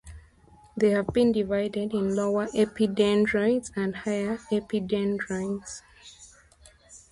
They have been divided in "lower epidendroids" and "higher epidendroids".